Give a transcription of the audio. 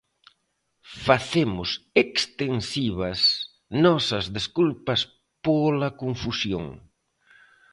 Facemos extensivas nosas desculpas pola confusión.